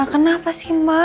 kenapa sih ma